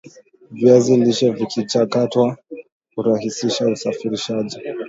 viazi lishe vikichakatwa hurahisisha usafirishaji